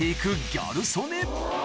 ギャル曽根